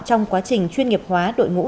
trong quá trình chuyên nghiệp hóa đội ngũ